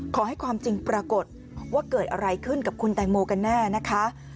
ความจริงปรากฏว่าเกิดอะไรขึ้นกับคุณแตงโมกันแน่นะคะ